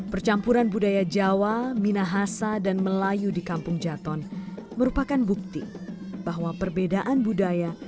percampuran budaya jawa minahasa dan melayu di kampung jaton merupakan bukti bahwa perbedaan budaya